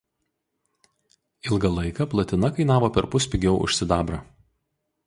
Ilgą laiką platina kainavo perpus pigiau už sidabrą.